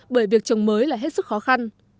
bởi việc trồng mới là hết sức khó khăn